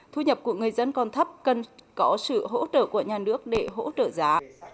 thu nhập của người dân còn thấp cần có sự hỗ trợ của nhà nước để hỗ trợ giá